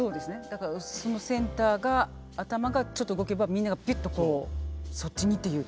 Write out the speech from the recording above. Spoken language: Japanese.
だからそのセンターが頭がちょっと動けばみんながビッとこうそっちにっていう。